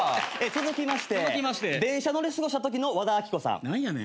続きまして電車乗り過ごした時の和田アキ子さん。